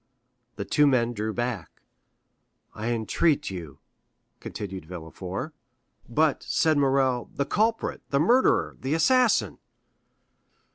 The two men drew back. "I entreat you——" continued Villefort. "But," said Morrel, "the culprit—the murderer—the assassin."